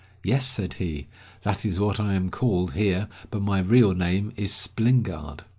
"Yes," said he, "that is what I am called here, but my real name is Splingard."